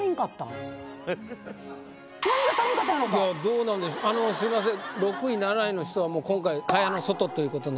どうなんでしょうあのすいません。